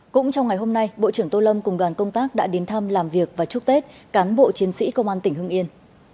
cũng trong ngày hôm nay bộ trưởng tô lâm cùng đoàn công tác đã đến thăm làm việc và chúc tết cán bộ chiến sĩ công an tỉnh hưng yên